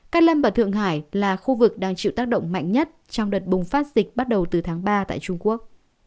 cát lâm và thượng hải là khu vực đang chịu tác động mạnh nhất trong đợt bùng phát dịch bắt đầu từ tháng ba tại trung quốc